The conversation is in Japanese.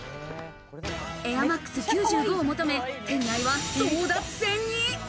エアマックス９５を求め、店内は争奪戦に。